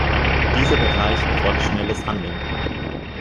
Dieser Bereich erfordert schnelles Handeln.